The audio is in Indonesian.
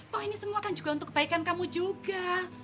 toh ini semua kan juga untuk kebaikan kamu juga